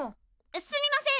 すみません